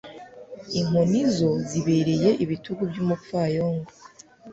inkoni zo zibereye ibitugu by'umupfayongo